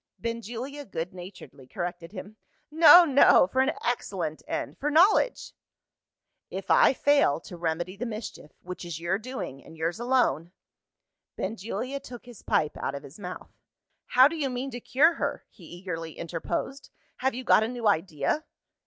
Benjulia good naturedly corrected him. "No, no. For an excellent end for knowledge." "If I fail to remedy the mischief, which is your doing, and yours alone " Benjulia took his pipe out of his mouth. "How do you mean to cure her?" he eagerly interposed. "Have you got a new idea?"